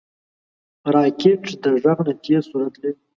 راکټ د غږ نه تېز سرعت لري